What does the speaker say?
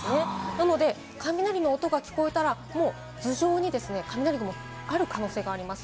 なので雷の音が聞こえたら、もう頭上に雷雲がある可能性があります。